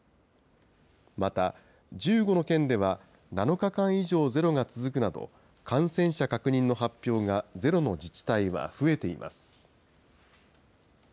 また、１５の県では、７日間以上ゼロが続くなど、感染者確認の発表がゼロの自治体は増えています。